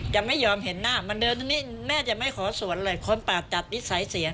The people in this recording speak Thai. จะไม่ยอมเห็นหน้ามันเดินตรงนี้แม่จะไม่ขอสวนเลยคนปากจัดนิสัยเสีย